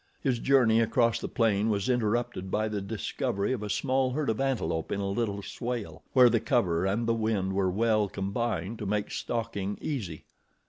His journey across the plain was interrupted by the discovery of a small herd of antelope in a little swale, where the cover and the wind were well combined to make stalking easy.